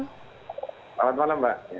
selamat malam mbak